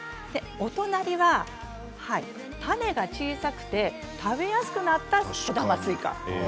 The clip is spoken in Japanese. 大人には種が小さくて食べやすくなった小玉スイカです。